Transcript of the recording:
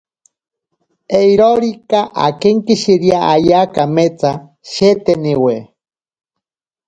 Eirorika akenkishirea ayaa kametsa sheeteniwe.